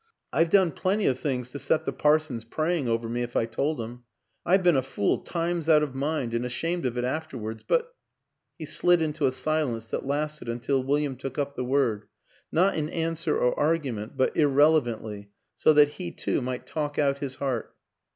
I've done plenty of things to set the par sons praying over me if I told 'em; I've been a fool times out of mind and ashamed of it after wards; but " He slid into a silence that lasted until William took up the word ; not in answer or argument but irrelevantly, so that he, too, might talk out his heart.